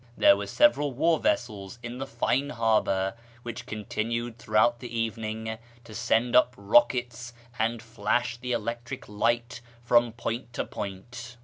Tliere were several war vessels in the fine harbour, which continued throughout the evening to send up rockets and flash the electric light from point to point.